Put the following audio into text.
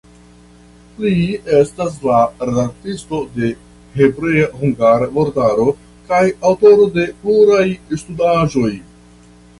Li estas la redaktisto de hebrea-hungara vortaro kaj aŭtoro de pluraj studaĵoj.